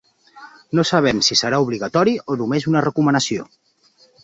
No sabem si serà obligatori o només una recomanació.